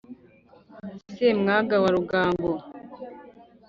Semwaga wa Rugango